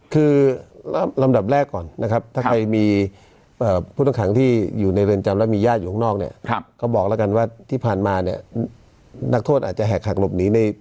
คือลำดับแรกก่อนถ้าใครมีคนทั้งขังที่อยู่ในรินจัมและมีญาติอยู่ข้างนอกเนี่ย